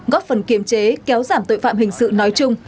góp phần kiềm chế kéo giảm tội phạm hình sự nói chung